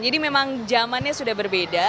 jadi memang zamannya sudah berbeda